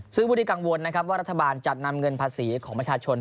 ซึ่งพวกนี้กังวลว่ารัฐบาลจะนำเงินภาษีของประชาชน